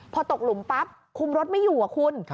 พอตกหลุมปั๊บคุมรถไม่อยู่คุณ